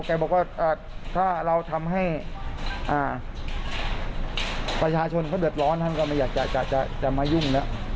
แกบอกว่าถ้าเราทำให้ประชาชนเขาเดือดร้อนท่านก็ไม่อยากจะมายุ่งแล้ว